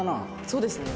そうですね。